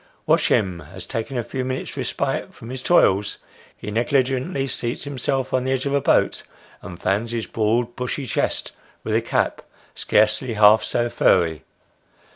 Watch him, as taking a few minutes' respite from his toils, he negligently seats himself on the edge of a boat, and fans his broad bushy chest with a cap scarcely half so furry.